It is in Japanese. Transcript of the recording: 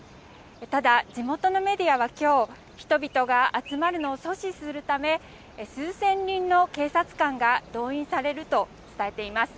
ただ、地元のメディアはきょう、人々が集まるのを阻止するため、数千人の警察官が動員されると伝えています。